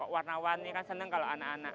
warna warni kan senang kalau anak anak